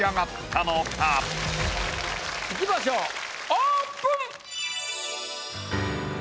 いきましょうオープン！